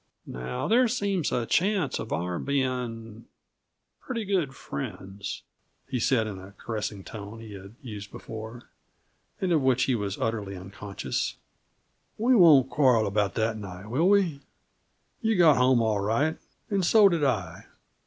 "Now there seems a chance of our being pretty good friends," he said, in the caressing tone he had used before, and of which he was utterly unconscious, "we won't quarrel about that night, will we? You got home all right, and so did I.